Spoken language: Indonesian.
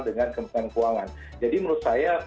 dengan kementerian keuangan jadi menurut saya